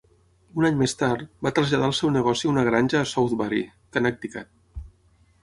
Un any més tard, va traslladar el seu negoci a una granja a Southbury, Connecticut.